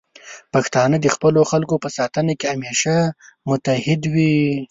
پښتانه د خپلو خلکو په ساتنه کې همیشه متعهد دي.